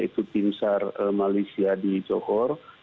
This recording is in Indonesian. tingsar malaysia di johor